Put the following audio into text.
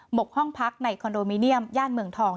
กห้องพักในคอนโดมิเนียมย่านเมืองทอง